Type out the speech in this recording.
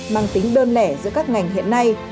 mang tính đơn lẻ giữa các ngành hiện nay